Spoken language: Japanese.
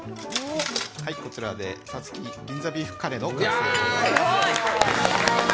こちらでＳＡＴＳＵＫＩ銀座ビーフカレーの完成です。